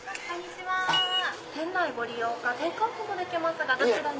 店内ご利用かテイクアウトもできますがどちらに？